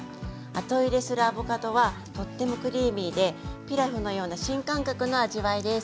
後入れするアボカドはとってもクリーミーでピラフのような新感覚の味わいです。